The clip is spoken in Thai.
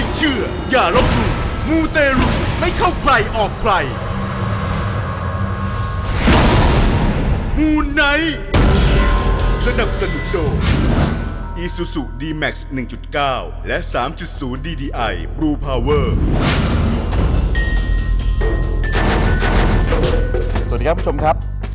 สวัสดีครับคุณผู้ชมครับ